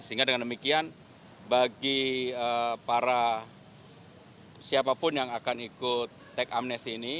sehingga dengan demikian bagi para siapapun yang akan ikut teks amnesti ini